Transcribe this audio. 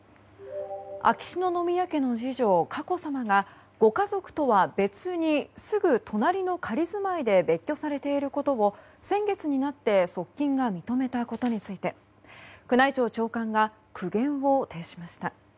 秋篠宮家の次女・佳子さまがご家族とは別にすぐ隣の仮住まいで別居されていることを先月になって側近が認めたことについて宮内庁長官が苦言を呈しました。